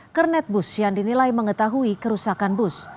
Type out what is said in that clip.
kernet bus yang dinilai mengetahui kerusakan bus